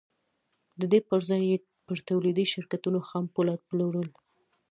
د دې پر ځای یې پر تولیدي شرکتونو خام پولاد پلورل